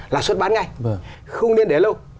là suất bán ngay không nên để lâu